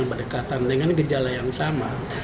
berdekatan dengan gejala yang sama